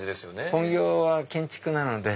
本業は建築なので。